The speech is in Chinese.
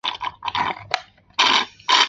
学院在庆和省金兰市也开设了校区。